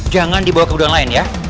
jangan dibawa ke gudang lain ya